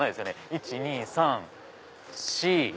１・２・３・４。